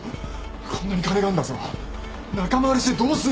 こんなに金があんだぞ仲間割れしてどうすんだよ。